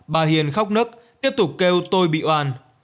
thì khóc nức tiếp tục kêu tôi bị oan